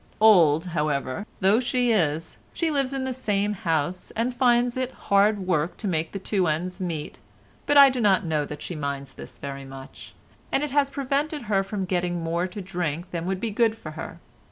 Old, however, though she is, she lives in the same house, and finds it hard work to make the two ends meet, but I do not know that she minds this very much, and it has prevented her from getting more to drink than would be good for her.